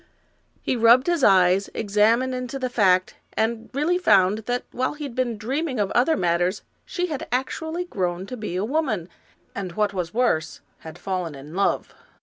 He rubbed his eyes, examined into the fact, and really found that while he had been dreaming of other matters, she had actually grown to be a woman, and, what was worse, had fallen in love.